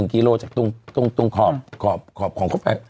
๑กิโลครับจากตรงขอบของรถไฟ